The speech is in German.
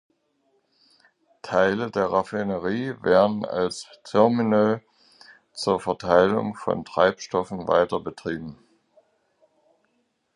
Teile der Raffinerie werden als Terminal zur Verteilung von Treibstoffen weiter betrieben.